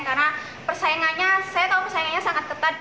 karena persaingannya saya tahu persaingannya sangat ketat